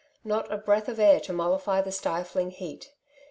Not a breath of air to mollify the stifling heat.